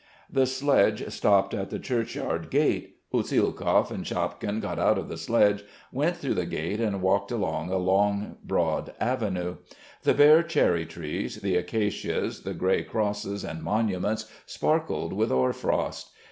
The sledge stopped at the churchyard gate. Usielkov and Shapkin got out of the sledge, went through the gate and walked along a long, broad avenue. The bare cherry trees, the acacias, the grey crosses and monuments sparkled with hoar frost.